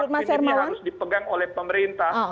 maka ini harus dipegang oleh pemerintah